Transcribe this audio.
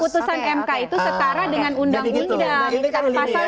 putusan mk itu setara dengan undang undang